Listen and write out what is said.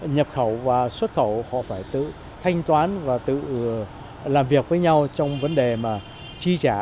nhập khẩu và xuất khẩu họ phải tự thanh toán và tự làm việc với nhau trong vấn đề mà chi trả